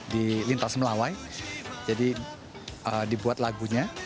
di lintas melawai jadi dibuat lagunya